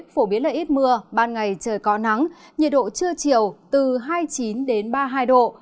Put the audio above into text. phổ biến là ít mưa ban ngày trời có nắng nhiệt độ trưa chiều từ hai mươi chín ba mươi hai độ